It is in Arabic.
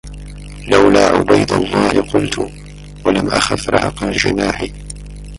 لولا عبيد الله قلت ولم أخف رهق الجناح